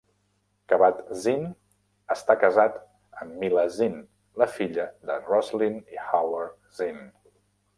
Kabat-Zinn està casat amb Myla Zinn, la filla de Roslyn i Howard Zinn.